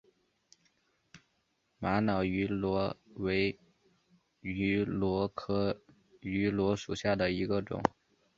玛瑙芋螺为芋螺科芋螺属下的一个种。